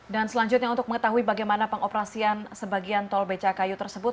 dan selanjutnya untuk mengetahui bagaimana pengoperasian sebagian tol becakayu tersebut